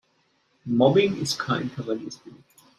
Mobbing ist kein Kavaliersdelikt.